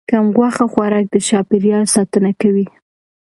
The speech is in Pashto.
کم غوښه خوراک د چاپیریال ساتنه کوي.